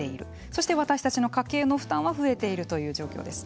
そして、私たちの家計の負担は増えているという状況です。